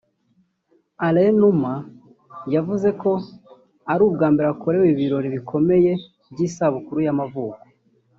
Alain Numa yavuze ko ari ubwa mbere akorewe ibirori bikomeye by’isabukuru ye y’amavuko